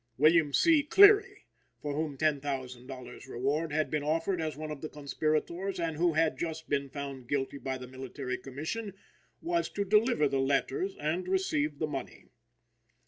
William C. Cleary, for whom $10,000 reward had been offered as one of the conspirators, and who had just been found guilty by the Military Commission, was to deliver the letters and receive the money.